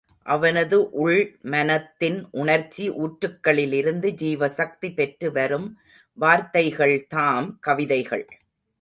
அவனது உள் மனத்தின் உணர்ச்சி ஊற்றுக்களிலிருந்து ஜீவசக்தி பெற்று வரும் வார்த்தைகள் தாம் கவிதைகள்.